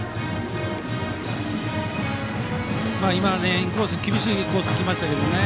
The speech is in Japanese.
インコース、厳しいコースきましたけどね。